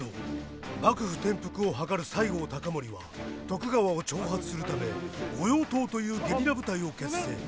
幕府転覆を謀る西郷隆盛は徳川を挑発するため御用盗というゲリラ部隊を結成。